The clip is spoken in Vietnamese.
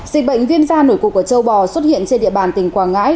dịch bệnh viêm da nổi cục ở châu bò xuất hiện trên địa bàn tỉnh quảng ngãi